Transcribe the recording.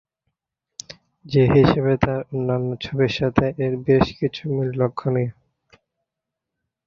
সে হিসেবে তার অন্যান্য ছবির সাথে এর বেশ কিছু মিল লক্ষ্যণীয়।